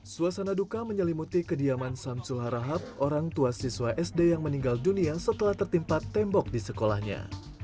suasana duka menyelimuti kediaman samsul harahap orang tua siswa sd yang meninggal dunia setelah tertimpa tembok di sekolahnya